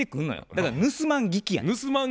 だから盗まん聞きやねん。